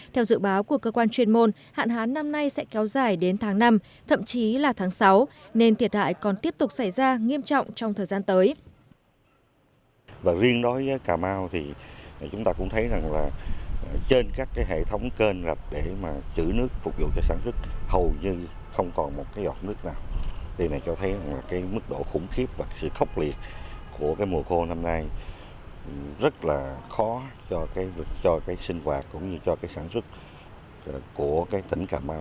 theo dự báo của cơ quan truyền môn hạn hán năm nay sẽ kéo dài đến tháng năm thậm chí là tháng sáu nên thiệt hại còn tiếp tục xảy ra nghiêm trọng trong thời gian tới